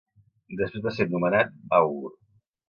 Després va ser nomenat àugur.